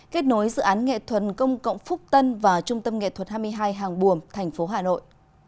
kết nối dự án nghệ thuật công cộng phúc tân và trung tâm nghệ thuật hai mươi hai hàng buồm thành phố hà nội